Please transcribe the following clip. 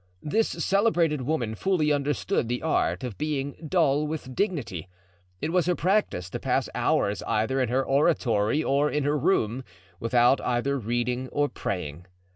This celebrated woman fully understood the art of being dull with dignity. It was her practice to pass hours either in her oratory or in her room, without either reading or praying.